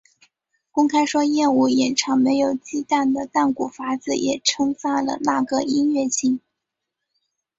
公开说厌恶演歌没有忌惮的淡谷法子也称赞了那个音乐性。